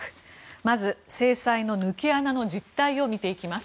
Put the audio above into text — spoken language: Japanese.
まず制裁の抜け穴の実態を見ていきます。